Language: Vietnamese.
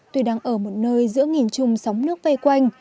tuy đang ở một nơi giữa nghìn trùng sóng nước vây quanh